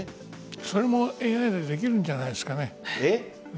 それもＡＩでできるんじゃないですかね。